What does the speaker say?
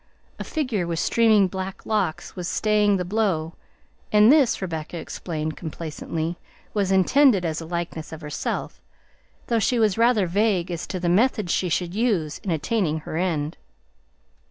A figure with streaming black locks was staying the blow, and this, Rebecca explained complacently, was intended as a likeness of herself, though she was rather vague as to the method she should use in attaining her end.